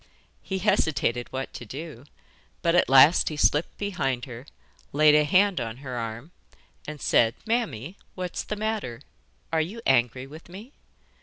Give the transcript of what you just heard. He hesitated what to do, but at last he slipped behind her, laid a hand on her arm, and said: 'Mammy, what's the matter? Are you angry with me?